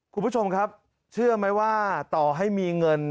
คุณผู้ชมครับเชื่อไหมว่าต่อให้มีเงิน